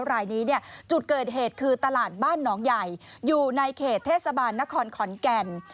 รายนี้เนี่ยจุดเกิดเหตุคือตลาดบ้านหนองใหญ่อยู่ในเขตเทศบาลนครขอนแก่น